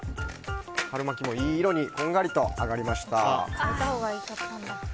春巻きもいい色にこんがりと揚がりました。